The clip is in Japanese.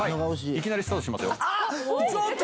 いきなりスタートしますよ。